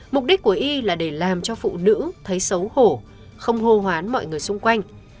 mục đích của y là để làm cho phụ nữ thấy xấu hổ không hô hoán mọi người xung quanh